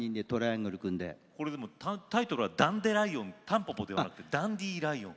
これでもタイトルはダンデライオンタンポポではなくてダンディライオン。